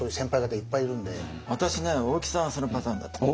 私ね大木さんはそのパターンだと思う。